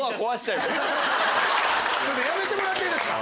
やめてもらっていいですか。